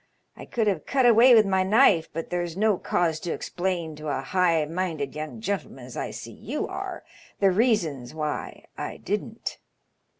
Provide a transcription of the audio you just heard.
I could have cut away with my knife, but there's no cause to explain to a high minded young gentleman, as I see you are, the reasons why I didn't.